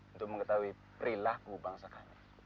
untuk mengetahui perilaku bangsa kami